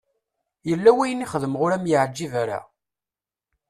Yella wayen i xedmeɣ ur am-yeɛǧib ara?